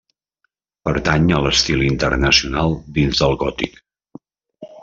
Pertany a l'estil internacional dins del gòtic.